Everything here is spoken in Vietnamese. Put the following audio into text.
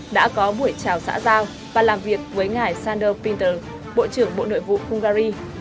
đã có buổi chào xã giao và làm việc với ngài sander pinter bộ trưởng bộ nội vụ hungary